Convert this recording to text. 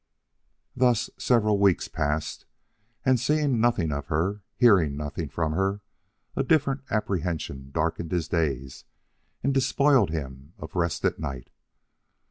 Thus several weeks passed, and seeing nothing of her, hearing nothing from her, a different apprehension darkened his days and despoiled him of rest at night.